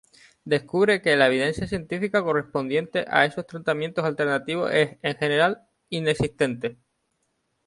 Descubre que la evidencia científica correspondiente a esos tratamientos alternativos es, en general, inexistente.